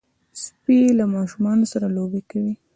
سپي له ماشومانو سره لوبې کوي.